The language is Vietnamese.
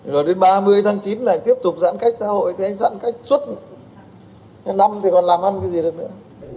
rồi đến ba mươi tháng chín lại tiếp tục giãn cách xã hội thì anh giãn cách suốt hàng năm thì còn làm ăn cái gì được nữa